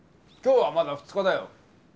今日はまだ２日だよ。